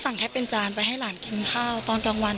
แค่เป็นจานไปให้หลานกินข้าวตอนกลางวัน